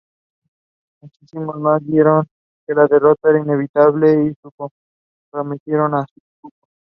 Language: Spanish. Muchos más vieron que la derrota era inevitable y se comprometieron al "seppuku".